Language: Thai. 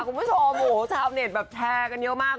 คุณผู้ชมชาวเน็ตแพร่กันเยอะมาก